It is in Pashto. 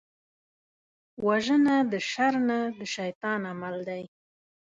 وژنه د شر نه، د شيطان عمل دی